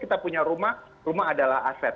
kita punya rumah rumah adalah aset